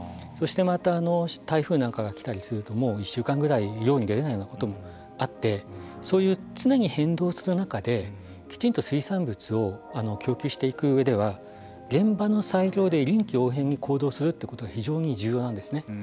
そしてまた台風なんかが来たりするともう１週間ぐらい漁に出れないようなこともあってそういう常に変動する中できちんと水産物を供給していく上では現場の裁量で臨機応変に行動するということが非常に重要なんですね。